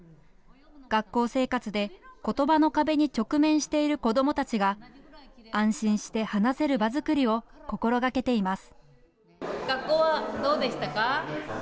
学校生活で、ことばの壁に直面している子どもたちが、安心して話せる場作りを心がけています。